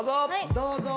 どうぞ！